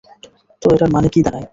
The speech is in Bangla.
তো এটার মানে কী দাঁড়ায়?